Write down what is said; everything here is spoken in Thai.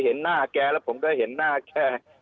เห็นหน้าแกแล้วผมก็เห็นหน้าแก